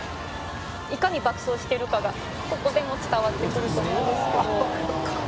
「いかに爆走してるかがここでも伝わってくると思うんですけど」